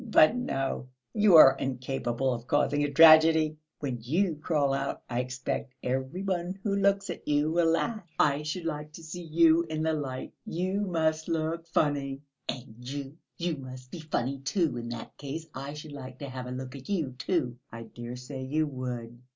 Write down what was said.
But no, you are incapable of causing a tragedy! When you crawl out, I expect every one who looks at you will laugh. I should like to see you in the light; you must look very funny." "And you. You must be funny, too, in that case. I should like to have a look at you too." "I dare say you would!"